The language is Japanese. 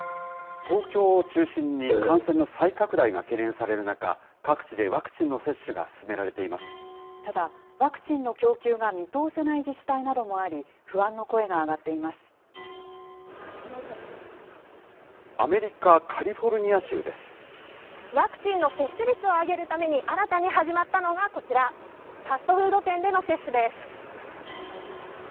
東京を中心に感染の再拡大が懸念される中、各地でワクチンの接種ただ、ワクチンの供給が見通せない自治体もあり、不安の声が上がっていアメリカ・カリフォルニア州ワクチンの接種率を上げるために、新たに始まったのがこちら、ファストフード店での接種です。